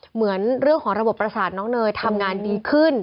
เหมือนเรื่องของระบบประสาทน้องเนยทำงานดีขึ้น